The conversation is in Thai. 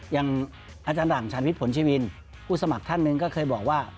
อย่างอาจารย์หลังชาญวิทย์ผลชวินผู้สมัครท่านหนึ่งก็เคยบอกว่า